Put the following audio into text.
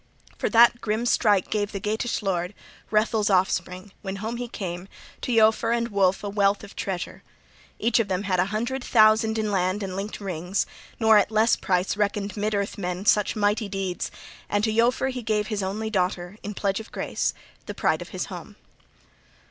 For that grim strife gave the Geatish lord, Hrethel's offspring, when home he came, to Eofor and Wulf a wealth of treasure, Each of them had a hundred thousand {39c} in land and linked rings; nor at less price reckoned mid earth men such mighty deeds! And to Eofor he gave his only daughter in pledge of grace, the pride of his home.